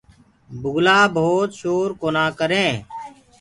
بُگلآ ڀوت شور ڪونآ ڪرينٚ۔